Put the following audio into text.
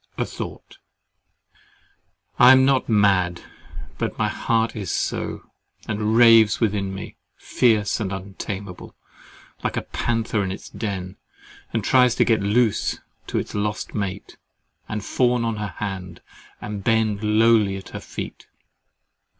A THOUGHT I am not mad, but my heart is so; and raves within me, fierce and untameable, like a panther in its den, and tries to get loose to its lost mate, and fawn on her hand, and bend lowly at her feet.